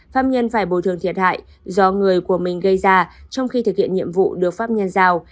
pháp nhân phải bồi thường thiệt hại do người của mình gây ra trong khi thực hiện nhiệm vụ được pháp nhân giao